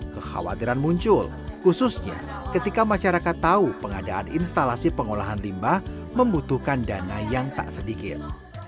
kekhawatiran muncul khususnya ketika masyarakat tahu pengadaan instalasi pengolahan limbah membutuhkan dana yang tak sedikit